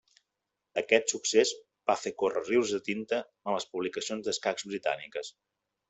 Aquest succés va fer córrer rius de tinta en les publicacions d'escacs britàniques.